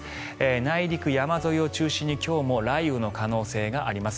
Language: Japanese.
内陸山沿いを中心に今日も雷雨の可能性があります。